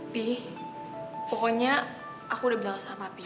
bi pokoknya aku udah bilang sama papi